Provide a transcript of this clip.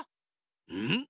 うん？